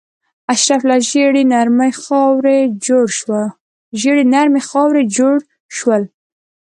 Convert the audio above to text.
اشراف له ژیړې نرمې خاورې جوړ شول.